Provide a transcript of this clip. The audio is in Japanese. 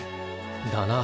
だな。